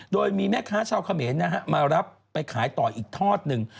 โดยมีแม่ค้าชาวเขมรมารับไปขายต่ออีกทอดหนึ่ง